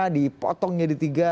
dipotong jadi tiga